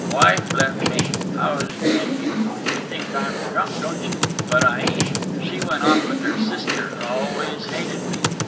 "Wife left me. I was drinking. You think I'm drunk, don't you? But I ain't. She went off with her sister—always hated me.